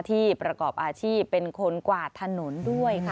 ประกอบอาชีพเป็นคนกวาดถนนด้วยค่ะ